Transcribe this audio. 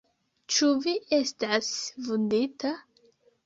Ĉu Vi estas vundita?